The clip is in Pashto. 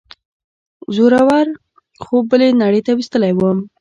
زوره ور خوب بلې نړۍ ته وروستلی وم.